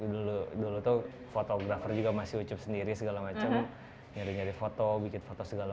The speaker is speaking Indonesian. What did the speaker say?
dulu dulu tuh fotografer juga masih ucup sendiri segala macam nyari nyari foto bikin foto segala